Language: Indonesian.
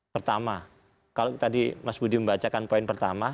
pertama kalau tadi mas budi membacakan poin pertama